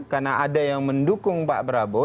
karena ada yang mendukung pak prabowo